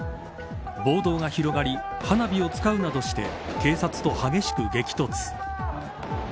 暴動が広がり花火を使うなどして警察と激しく激突。